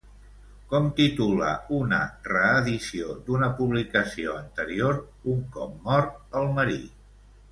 Com titula una reedició d'una publicació anterior un cop mor el marit?